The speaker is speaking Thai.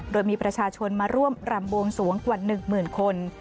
โดยมีประชาชนมาร่วมรำบวงสวงกว่า๑หมื่นคน